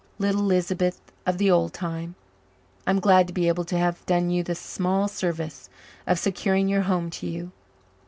Little Lisbeth of the old time! I'm glad to be able to have done you the small service of securing your home to you.